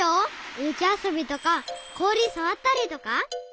ゆきあそびとかこおりさわったりとか？